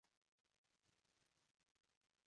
Su esposa abrió su casa de moda propia.